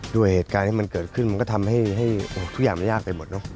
เหตุการณ์ที่มันเกิดขึ้นมันก็ทำให้ทุกอย่างมันยากไปหมดเนอะ